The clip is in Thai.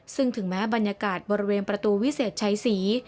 ซึ่งถึงแม้บรรยากาศบริเวณประตูวิเศษชัยศรี